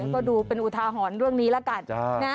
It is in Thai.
ก็ดูเป็นอุทาหรณ์เรื่องนี้แล้วกัน